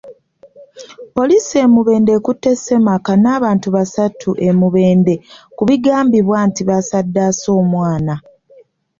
Poliisi e Mubende ekutte ssemaka n’abantu basatu e Mubende ku bigambibwa nti basaddaase omwana.